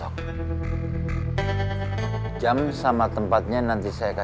kan ada orang lain itu